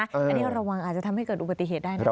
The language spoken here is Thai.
อันนี้ระวังอาจจะทำให้เกิดอุบัติเหตุได้นะครับ